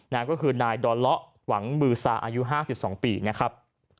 นั่นก็คือนายดอนเลาะหวังมือสาอายุห้าสิบสองปีนะครับ